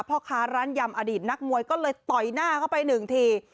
พ่อค้าร้านยำอดีตนักมวยก็เลยต่อยหน้าเข้าไปหนึ่งที